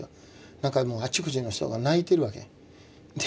なんかもうあちこちの人が泣いてるわけ。